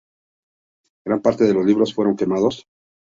Gran parte de los libros fueron quemados.